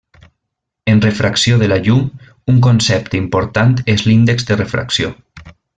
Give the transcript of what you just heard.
En refracció de la llum, un concepte important és l'índex de refracció.